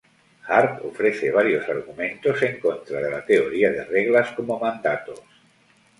Hart ofrece varios argumentos en contra de la teoría de reglas como mandatos.